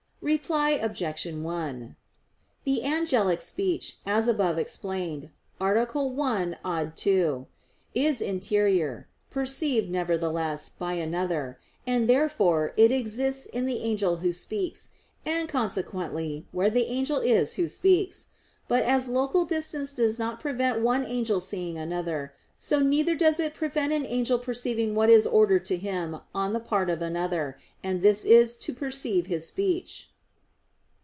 Reply Obj. 1: The angelic speech, as above explained (A. 1, ad 2), is interior; perceived, nevertheless, by another; and therefore it exists in the angel who speaks, and consequently where the angel is who speaks. But as local distance does not prevent one angel seeing another, so neither does it prevent an angel perceiving what is ordered to him on the part of another; and this is to perceive his speech.